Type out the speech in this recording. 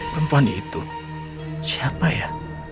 perempuan itu siapa ya